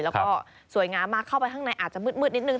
แล้วก็สวยงามมากเข้าไปข้างในอาจจะมืดนิดนึ